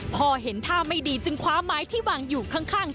พอเห็นท่าไม่ดีจึงคว้าไม้ที่วางอยู่ข้าง